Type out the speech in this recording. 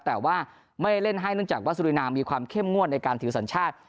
แต่ว่าไม่เล่นให้เนื่องจากว่าสุรินามีความเข้มงวดในการถือสัญชาติ